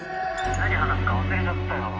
「何話すか忘れちゃったよ」